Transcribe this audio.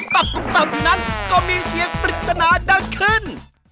ตับตุ๊บตับนั้นก็มีเสียงปริศนาดังขึ้น